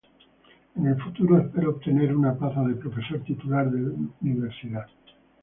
En el futuro espero obtener una plaza de profesor titular de universidad.